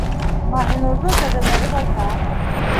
Маһинурҙың кәзәләре байтаҡ.